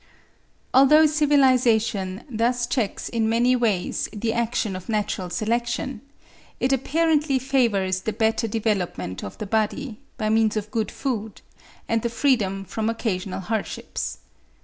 Although civilisation thus checks in many ways the action of natural selection, it apparently favours the better development of the body, by means of good food and the freedom from occasional hardships.